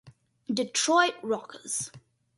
Detroit Rockers